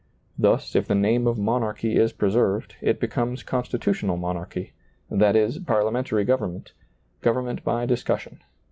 Thus, if the name of monarchy is preserved, it becomes constitutional monarchy — that is, parliamentary government — government by dis cussion.